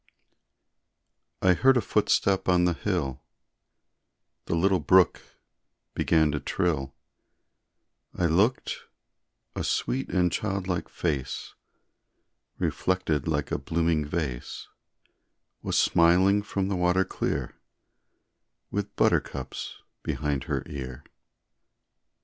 I heard a footstep on the hill, The little brook began to trill, I looked a sweet and childlike face, Reflected like a blooming vase, Was smiling from the water clear, With buttercups behind her ear.